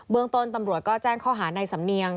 เมืองต้นตำรวจก็แจ้งข้อหาในสำเนียง